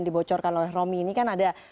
dibocorkan oleh romi ini kan ada